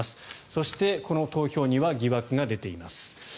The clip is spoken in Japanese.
そして、この投票には疑惑が出ています。